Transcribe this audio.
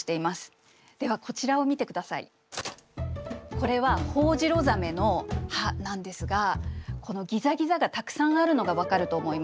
これはホホジロザメの歯なんですがこのギザギザがたくさんあるのが分かると思います。